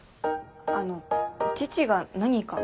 あの父が何か？